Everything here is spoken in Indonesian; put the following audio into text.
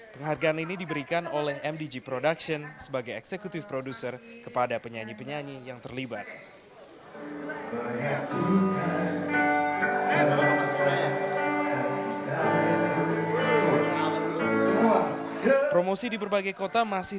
penghargaan ini diberikan oleh mdg production sebagai eksekutif produser kepada penyanyi penyanyi yang terlibat